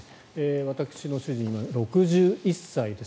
私の主人は今、６１歳です。